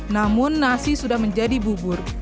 namun nasi sudah menjadi bubur